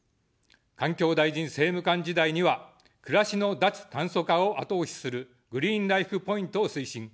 環境大臣政務官時代には、暮らしの脱炭素化を後押しするグリーンライフ・ポイントを推進。